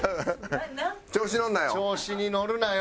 調子乗るなよ。